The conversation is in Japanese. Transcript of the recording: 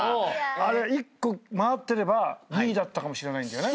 １個回ってれば２位だったかもしれないんだよね。